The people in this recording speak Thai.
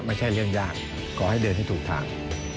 ไม่ใช่เรื่องยากขอให้เดินให้ถูกทาง